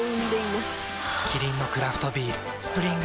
キリンのクラフトビール「スプリングバレー」